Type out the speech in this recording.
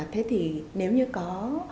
thế thì nếu như có